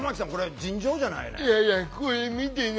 尋常じゃないね。